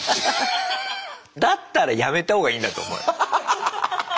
だったらやめた方がいいんだと思うよ。